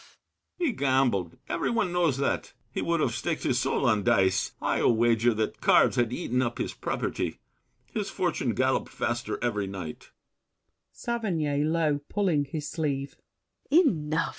SAVERNY (low). Enough! BRICHANTEAU. He gambled—every one knows that. He would have staked his soul on dice. I'll wager That cards had eaten up his property. His fortune galloped faster every night. SAVERNY (low, pulling his sleeve). Enough!